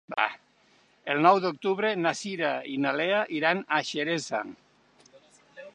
El nou d'octubre na Cira i na Lea iran a Xeresa.